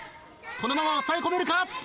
このまま押さえ込めるか？